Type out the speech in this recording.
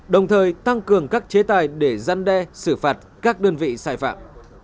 đồng thời tăng cường các chế tài để giăn đe xử phạt các đơn vị xài phạm